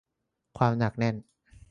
ความหนักหน่วง